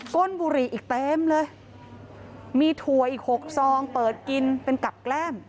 ้นบุหรี่อีกเต็มเลยมีถั่วอีกหกซองเปิดกินเป็นกับแกล้ม